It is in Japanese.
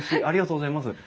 ありがとうございます。